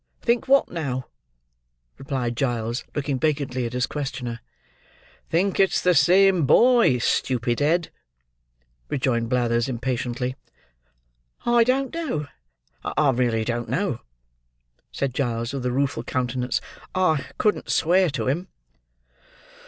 "Think what, now?" replied Giles, looking vacantly at his questioner. "Think it's the same boy, Stupid head?" rejoined Blathers, impatiently. "I don't know; I really don't know," said Giles, with a rueful countenance. "I couldn't swear to him."